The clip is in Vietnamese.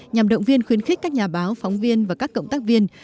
nhằm động viên khuyến khích các nhà báo phóng viên và các cộng tác viên